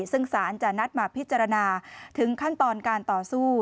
ซึ่งสารจะนัดมาพิจารณาถึงขั้นตอนการต่อสู้